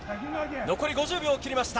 残り５０秒を切りました。